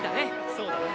そうだな。